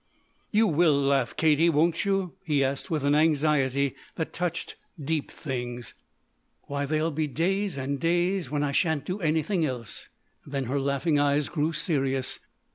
"You will laugh, Katie, won't you?" he asked with an anxiety that touched deep things. "Why there'll be days and days when I shan't do anything else!" Then her laughing eyes grew serious.